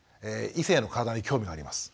異性の体に興味があります。